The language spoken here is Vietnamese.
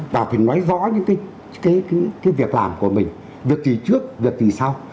và phải nói rõ những cái việc làm của mình việc gì trước việc gì sau